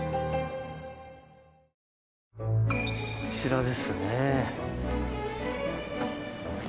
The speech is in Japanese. こちらですね。